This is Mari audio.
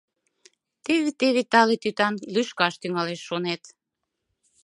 Теве-теве тале тӱтан лӱшкаш тӱҥалеш, шонет.